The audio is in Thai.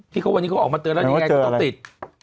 วันนี้เขาออกมาเตือนแล้วยังไงก็ต้องติด